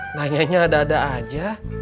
nanyanya ada ada aja